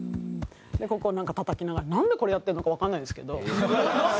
ここをたたきながらなんでこれやってるのかわからないんですけど。